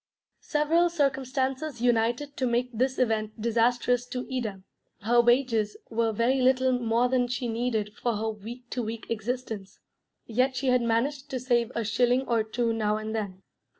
Several circumstances united to make this event disastrous to Ida. Her wages were very little more than she needed for her week to week existence, yet she had managed to save a shilling or two now and then.